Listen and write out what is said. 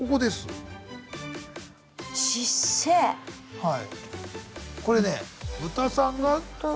はい！